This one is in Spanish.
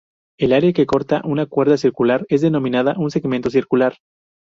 El área que corta una cuerda circular es denominada un segmento circular.